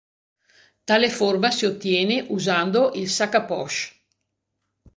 Tale forma si ottiene usando il "sac à poche".